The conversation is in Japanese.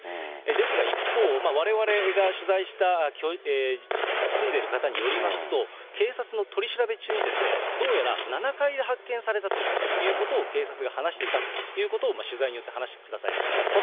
ですが、一方、われわれが取材した住んでいる方によりますと、警察の取り調べ中に、どうやら７階で発見されたということを警察が話していたということを取材によって話してくださいました。